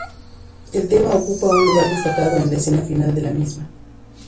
El tema ocupa un lugar destacado en la escena final de la misma.